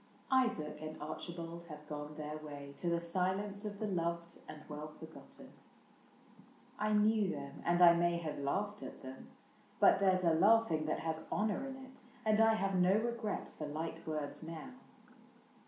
Isaac and Archibald have gone their way To the silence of the loved and well forgotten. I knew them, and I may have laughed at them ; But there 's a laughing that has honor in it. And I have no regret for light words now.